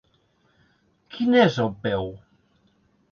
Quin és el peu?